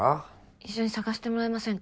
一緒に捜してもらえませんか。